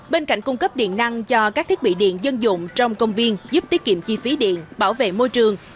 bên cạnh cung cấp điện năng cho các thiết bị điện dân dụng trong công viên giúp tiết kiệm chi phí điện bảo vệ môi trường